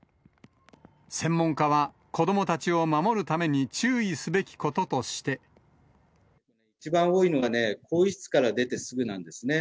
専門家は、子どもたちを守るために注意すべきこととして。一番多いのがね、更衣室から出てすぐなんですね。